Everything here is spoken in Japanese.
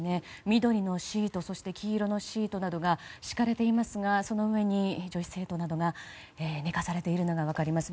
緑のシートそして黄色のシートなどが敷かれていますがその上に女子生徒などが寝かされているのが分かります。